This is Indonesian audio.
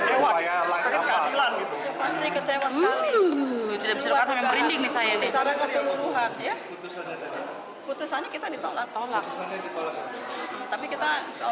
tapi kita seolah olah